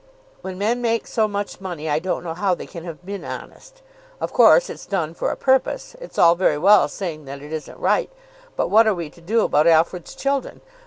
When men make so much money, I don't know how they can have been honest. Of course it's done for a purpose. It's all very well saying that it isn't right, but what are we to do about Alfred's children?